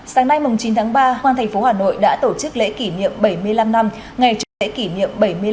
sáng nay chín tháng ba hoàng thành phố hà nội đã tổ chức lễ kỷ niệm